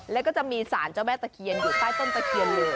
แล้วก็จะมีสารเจ้าแม่ตะเคียนอยู่ใต้ต้นตะเคียนเลย